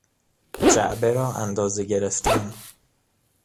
جعبه را اندازه گرفتن